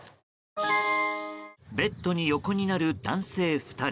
ベッドに横になる男性２人。